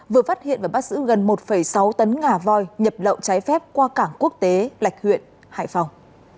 vừa phát hiện và bắt giữ gần một sáu tấn ngà voi nhập lậu trái phép qua cảng quốc tế lạch huyện hải phòng